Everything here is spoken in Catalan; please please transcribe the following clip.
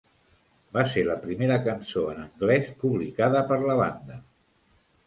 Va ser la primera cançó en anglès publicada per la banda.